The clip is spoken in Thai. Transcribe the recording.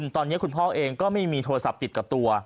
ตอนนี้คุณพ่อเองก็ไม่มีโทรศัพท์ติดกับตัว